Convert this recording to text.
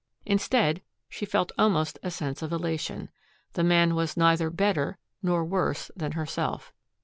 Instead, she felt almost a sense of elation. The man was neither better nor worse than herself.